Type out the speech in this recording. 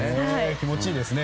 気持ちいいですね。